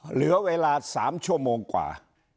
เหลือเวลา๓ชั่วโมงกว่า